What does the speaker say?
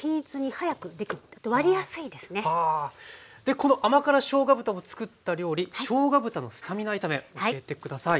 この甘辛しょうが豚をつくった料理しょうが豚のスタミナ炒め教えて下さい。